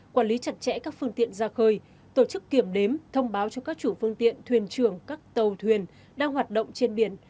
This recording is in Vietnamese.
quản lý chặt chẽ các phương tiện ra khơi tổ chức kiểm đếm thông báo cho các chủ phương tiện thuyền trưởng các tàu thuyền đang hoạt động trên biển